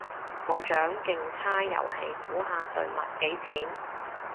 冇獎競猜遊戲，估下對襪幾錢？